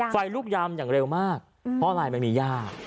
ไฟลุกยามอย่างเร็วมากเพราะอะไรมันมีย่า